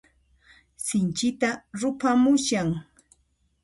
Sinchita ruphamushan.